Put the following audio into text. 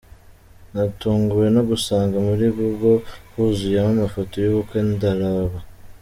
Natunguwe no gusanga muri Google huzuyemo amafoto y’ubukwe ndaraba.